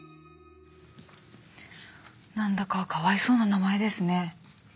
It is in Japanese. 何だかかわいそうな名前ですね。